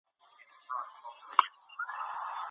د ډیپلوماسۍ له لاري په افغانستان کي عدالت نه ټینګیږي.